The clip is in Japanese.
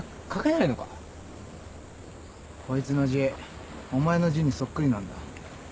こいつの字お前の字にそっくりなんだ。